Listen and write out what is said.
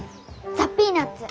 ザ・ピーナッツ。